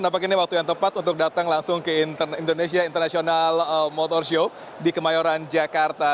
nampak ini waktu yang tepat untuk datang langsung ke indonesia international motor show di kemayoran jakarta